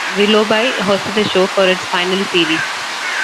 Willoughby hosted the show for its final series.